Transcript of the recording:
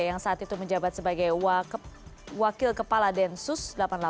yang saat itu menjabat sebagai wakil kepala densus